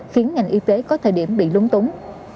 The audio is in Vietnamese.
khiến ngành y tế có thời điểm bị lúng túng